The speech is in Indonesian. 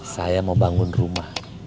saya mau bangun rumah